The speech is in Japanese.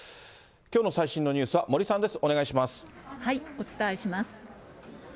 きょうの最新のニュースは森さんお伝えします。